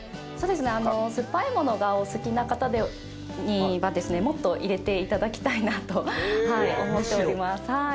そうですね酸っぱいものがお好きな方にはですねもっと入れていただきたいなと思っております。